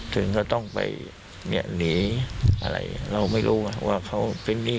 ถึงก็ต้องไปเนี่ยหนีอะไรเราไม่รู้ว่าเขาเป็นหนี้